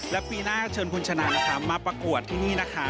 และปีหน้าเชิญคุณชนะนะคะมาประกวดที่นี่นะคะ